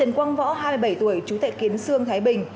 quang võ hai mươi bảy tuổi chú tệ kiến sương thái bình